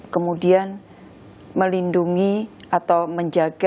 kemudian melindungi atau menjaga